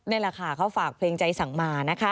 นี่แหละฝากเพลงใจสั่งมา